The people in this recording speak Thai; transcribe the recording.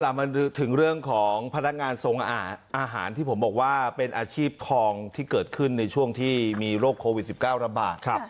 มาถึงเรื่องของพนักงานส่งอาหารที่ผมบอกว่าเป็นอาชีพทองที่เกิดขึ้นในช่วงที่มีโรคโควิด๑๙ระบาด